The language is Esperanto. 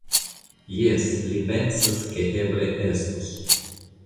Jes, li pensas, ke eble estus.